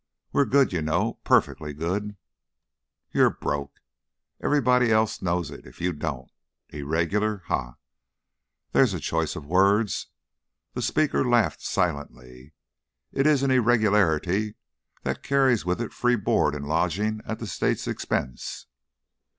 We're good, you know, perfectly good " "You're broke! Everybody else knows it, if you don't. 'Irregular'! Ha! There's a choice of words!" The speaker laughed silently. "It is an 'irregularity' that carries with it free board and lodging at the state's expense."